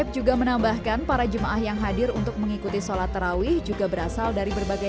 juga menambahkan para jemaah yang hadir untuk mengikuti sholat terawih juga berasal dari berbagai